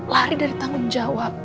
lari dari tanggung jawab